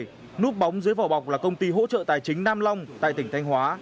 núp bóng dưới vỏ bọc là công ty hỗ trợ tài chính nam long tại tỉnh thanh hóa